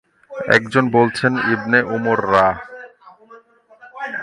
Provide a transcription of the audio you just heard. একজন বলছেন, Ibn Umar রা।